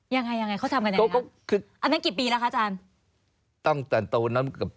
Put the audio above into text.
ยังไงเขาทำกันยังไงครับ